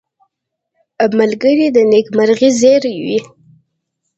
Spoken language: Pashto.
ملګری د نېکمرغۍ زېری وي